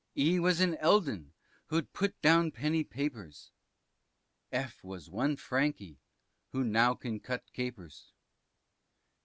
E was an Eldon, who'd put down penny papers, F was one Franky, who now can cut capers.